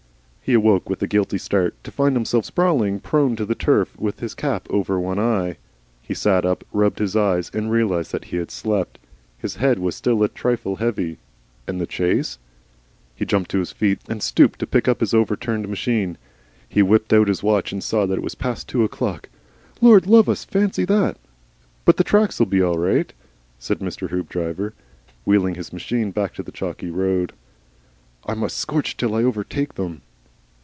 He awoke with a guilty start, to find himself sprawling prone on the turf with his cap over one eye. He sat up, rubbed his eyes, and realised that he had slept. His head was still a trifle heavy. And the chase? He jumped to his feet and stooped to pick up his overturned machine. He whipped out his watch and saw that it was past two o'clock. "Lord love us, fancy that! But the tracks'll be all right," said Mr. Hoopdriver, wheeling his machine back to the chalky road. "I must scorch till I overtake them."